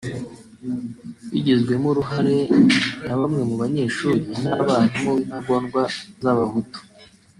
bigizwemo uruhare na bamwe mu banyeshuri n’abarimu b’intagondwa z’abahutu